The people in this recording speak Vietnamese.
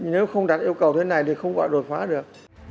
nếu không đặt yêu cầu thế này thì không gọi đột phá được